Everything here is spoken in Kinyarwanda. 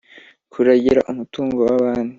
kuragira umutungo w’abandi,